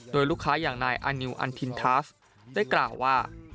โดยลูกค้าอย่างนายอานิวอันทินทัสได้กล่าวว่า